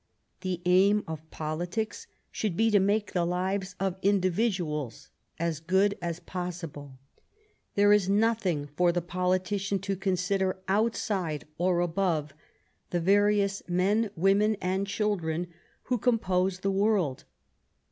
The aim of politics should be to make the lives of individuals as good as possible. There is nothing for the politician to consider outside or above the various men, women, and children who compose the world.